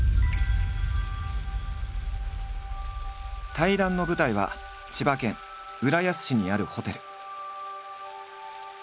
対談の舞台は千葉県浦安市にあるホテル。